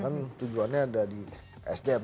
karena itu adalah tujuannya sdm